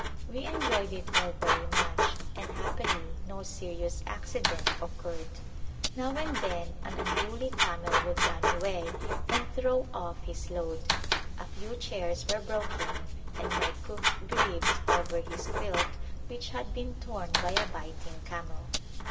We enjoyed it all very much, and happily no serious accident occurred. Now and then an unruly camel would run away and throw off his load. A few chairs were broken and my cook grieved over his quilt which had been torn by a biting camel.